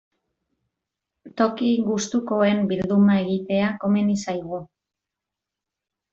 Toki gustukoen bilduma egitea komeni zaigu.